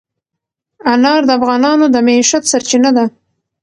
انار د افغانانو د معیشت سرچینه ده.